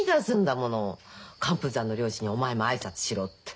「寒風山の両親にお前も挨拶しろ」って。